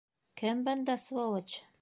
Кем бында сволочь?